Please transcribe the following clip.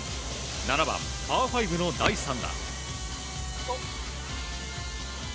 ７番、パー５の第３打。